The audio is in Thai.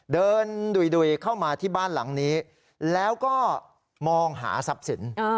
เดินดุยเข้ามาที่บ้านหลังนี้แล้วก็มองหาทรัพย์สิน